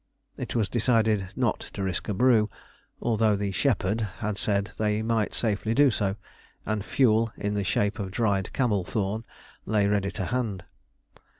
It was decided not to risk a "brew," although the "shepherd" had said they might safely do so, and fuel in the shape of dried camel thorn lay ready to hand.